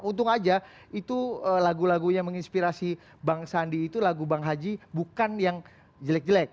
untung aja itu lagu lagunya menginspirasi bang sandi itu lagu bang haji bukan yang jelek jelek